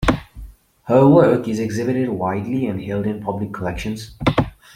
Her work is exhibited widely and held in public collections.